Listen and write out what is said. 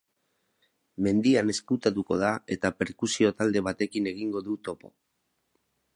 Mendian ezkutatuko da eta perkusio talde batekin egingo du topo.